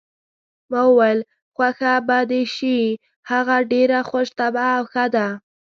ما وویل: خوښه به دې شي، هغه ډېره خوش طبع او ښه ده.